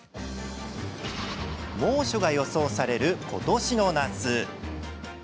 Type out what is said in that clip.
猛暑が予想されることしの夏。